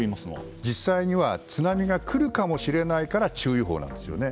実際には津波が来るかもしれないから注意報なんですよね。